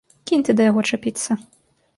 Кінь ты да яго чапіцца!